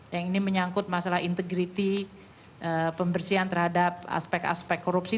yang ini menyangkut masalah integriti pembersihan terhadap aspek aspek korupsi